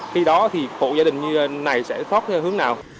khi đó thì hộ gia đình này sẽ thoát hướng nào